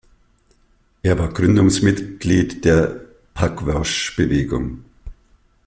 Er war Gründungsmitglied der Pugwash-Bewegung.